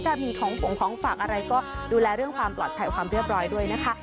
ถ้ามีของฝงของฝากอะไรก็ดูแลเรื่องความปลอดภัยความเรียบร้อยด้วยนะคะ